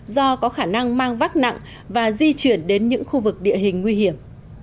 do có khả năng mang vác nặng và di chuyển đến những khu vực địa hình nguy hiểm